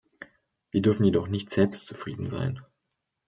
Wir dürfen jedoch nicht selbstzufrieden sein.